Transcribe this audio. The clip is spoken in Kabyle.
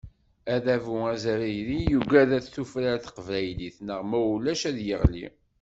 Adabu azzayri yugad ad tufrar teqbaylit, neɣ ma ulac ad yeɣli.